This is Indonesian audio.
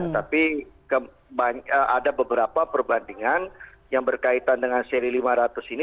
tapi ada beberapa perbandingan yang berkaitan dengan seri lima ratus ini